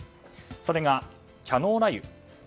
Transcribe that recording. それが、キャノーラ油。